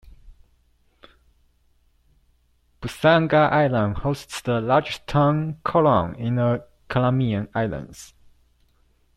Busuanga Island hosts the largest town, Coron, in the Calamian Islands.